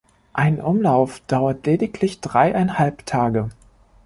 Ein Umlauf dauert lediglich dreieinhalb Tage.